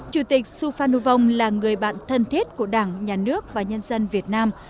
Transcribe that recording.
chủ tịch su phan nu vong là người bạn thân thiết của đảng nhà nước và nhân dân việt nam